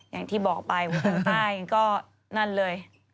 อย่างที่บอกไปวันนั้นนั่นเลย